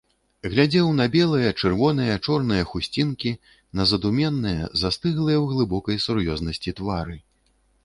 Глядзеў на белыя, чырвоныя, чорныя хусцінкі, на задуменныя, застыглыя ў глыбокай сур'ёзнасці твары.